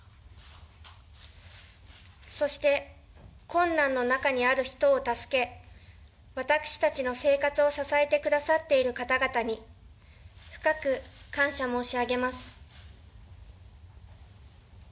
そして、困難の中にある人を助け、私たちの生活を支えてくださっている方々に、深く感謝申し上げます。